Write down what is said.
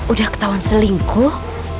udah ketahuan selingkuh